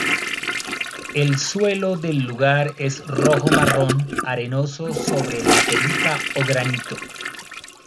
El suelo del lugar es rojo-marrón arenoso sobre laterita o granito.